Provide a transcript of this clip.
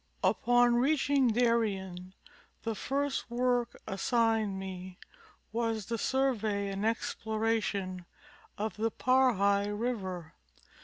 Upon reaching Darien the first work assigned me was the sur vey and exploration of the Pyrrhi river.